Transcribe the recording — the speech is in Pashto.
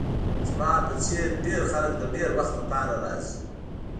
زما په څیر ډیر خلک د ډیر وخت لپاره راځي